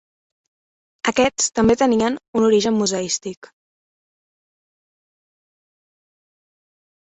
Aquests també tenien un origen museístic.